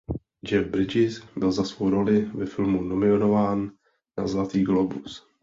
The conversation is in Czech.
Jeff Bridges byl za svou roli ve filmu nominován na Zlatý glóbus.